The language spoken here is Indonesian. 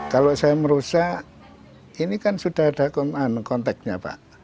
kalau saya merusak ini kan sudah ada konteknya pak